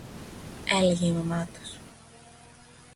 έλεγε η μαμά τους.